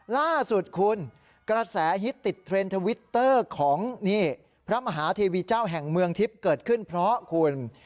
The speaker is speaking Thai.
ล่าสุดคุณกระแสฮิตติดเทรนด์ทวิตเตอร์ของนี่พระมหาเทวีเจ้าแห่งเมืองทิพย์เกิดขึ้นเพราะคุณ